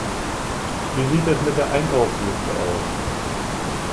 Wie sieht es mit der Einkaufsliste aus?